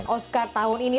oscar tahun ini